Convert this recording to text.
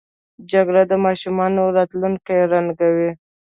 جګړه د ماشومانو راتلونکی ړنګوي